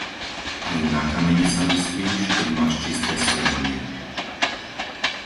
Aj na kameni sa vyspíš, keď máš čisté svedomie.